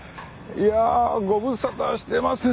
いやあご無沙汰してます。